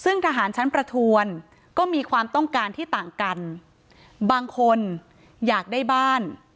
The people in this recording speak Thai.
ซึ่งทหารชั้นประทวนก็มีความต้องการที่ต่างกันบางคนอยากได้บ้าน